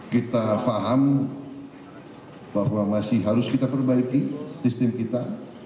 kita paham bahwa masih harus kita perbaiki sistem kita